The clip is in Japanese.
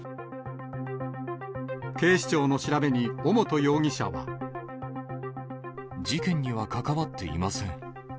警視庁の調べに、尾本容疑者事件には関わっていません。